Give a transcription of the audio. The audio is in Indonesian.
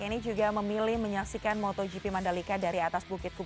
ini juga memilih menyaksikan motogp mandalika dari atas bukit kuku